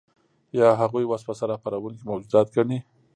یا هغوی وسوسه راپاروونکي موجودات ګڼي.